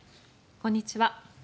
こんにちは。